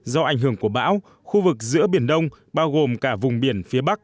do ảnh hưởng của bão khu vực giữa biển đông bao gồm cả vùng biển phía bắc